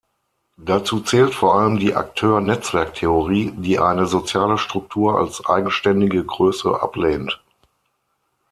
Dazu zählt vor allem die Akteur-Netzwerk-Theorie, die eine soziale Struktur als eigenständige Größe ablehnt.